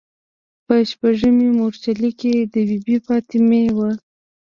په شپږمې مورچلې کې د بي بي فاطمې و.